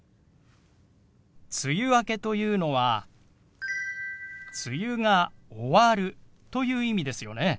「梅雨明け」というのは「梅雨が終わる」という意味ですよね。